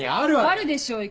あるでしょう